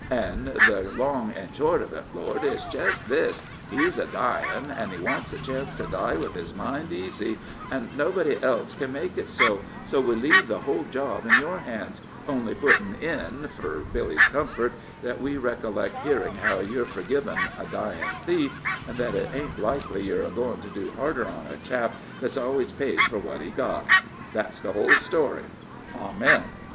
An' the long an' short of it, Lord, is jest this he's a dyin', an' he wants a chance to die with his mind easy, an' nobody else can make it so, so we leave the whole job in your hands, only puttin' in, fur Billy's comfort, thet we recollect hearing how yer forgiv' a dyin' thief, an' thet it ain't likely yer a goin' to be harder on a chap thet's alwas paid fur what he got. Thet's the whole story. Amen."